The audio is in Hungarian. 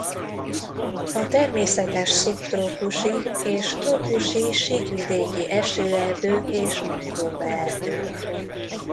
A természetes szubtrópusi és trópusi síkvidéki esőerdők és mangroveerdők.